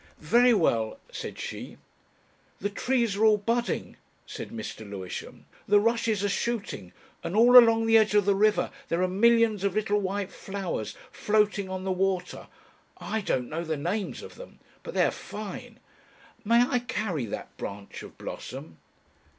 "Very well," said she. "The trees are all budding," said Mr. Lewisham, "the rushes are shooting, and all along the edge of the river there are millions of little white flowers floating on the water, I don't know the names of them, but they're fine.... May I carry that branch of blossom?"